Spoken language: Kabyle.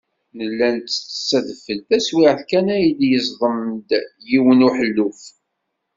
Nella nettekkes adfel, taswiɛt kan ata yeẓdem-d yiwen uḥelluf.